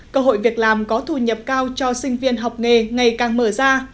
cơ hội việc làm có thu nhập cao cho sinh viên học nghề ngày càng mở ra